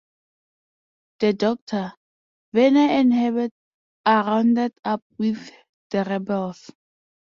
The Doctor, Vena and Herbert are rounded up with the rebels.